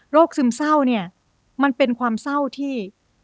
ซึมเศร้าเนี่ยมันเป็นความเศร้าที่